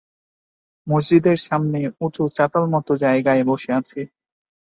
মসজিদের সামনে উঁচু চাতালমতো জায়গায় বসে আছি।